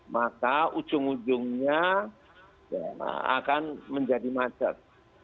maka ujung ujungnya akan menjadi macet